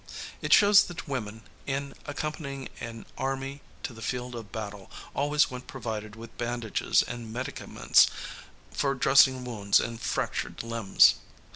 It shows that women, in accompanying an army to the field of battle, always went provided with bandages and medicaments for dressing wounds and fractured limbs.